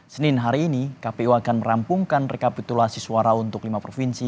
senin hari ini kpu akan merampungkan rekapitulasi suara untuk lima provinsi